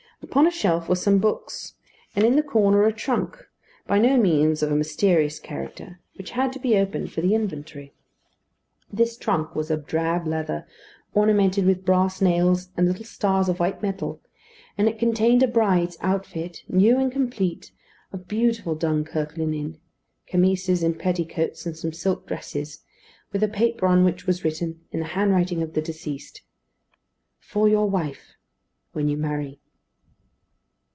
Upon a shelf were some books, and in the corner a trunk, by no means of a mysterious character, which had to be opened for the inventory. This trunk was of drab leather, ornamented with brass nails and little stars of white metal, and it contained a bride's outfit, new and complete, of beautiful Dunkirk linen chemises and petticoats, and some silk dresses with a paper on which was written, in the handwriting of the deceased, "For your wife: when you marry."